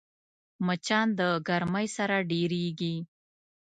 مچان د ګرمۍ سره ډېریږي